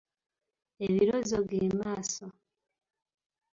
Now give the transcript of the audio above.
Ebirozo ge maaso.